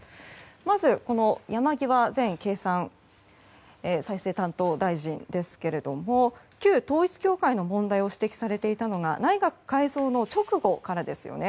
まず山際前経済再生担当大臣ですが旧統一教会の問題を指摘されていたのが内閣改造の直後からですよね。